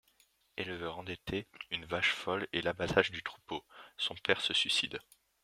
Éleveur endetté, une vache folle et l'abattage du troupeau, son père se suicide.